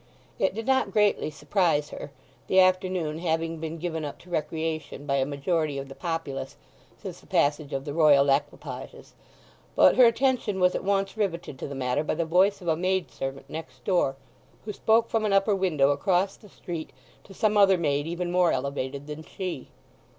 It did not greatly surprise her, the afternoon having been given up to recreation by a majority of the populace since the passage of the Royal equipages. But her attention was at once riveted to the matter by the voice of a maid servant next door, who spoke from an upper window across the street to some other maid even more elevated than she.